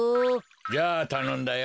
じゃあたのんだよ。